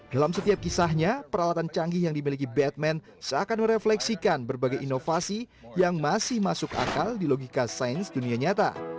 dalam setiap kisahnya peralatan canggih yang dimiliki batman seakan merefleksikan berbagai inovasi yang masih masuk akal di logika sains dunia nyata